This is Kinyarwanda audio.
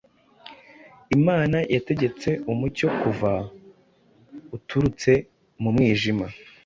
Imana yategetse umucyo kuva, uturutse mu mwijima,